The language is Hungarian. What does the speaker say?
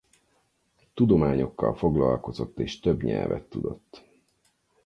Tudományokkal foglalkozott és több nyelvet tudott.